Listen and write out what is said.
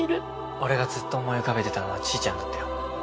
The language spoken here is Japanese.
俺がずっと思い浮かべてたのはちーちゃんだったよ。